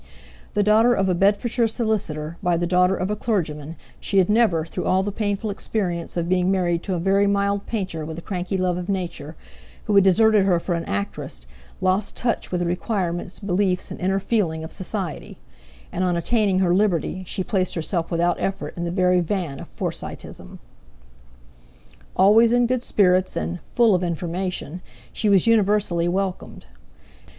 The daughter of a Bedfordshire solicitor, by the daughter of a clergyman, she had never, through all the painful experience of being married to a very mild painter with a cranky love of Nature, who had deserted her for an actress, lost touch with the requirements, beliefs, and inner feeling of Society; and, on attaining her liberty, she placed herself without effort in the very van of Forsyteism. Always in good spirits, and "full of information," she was universally welcomed.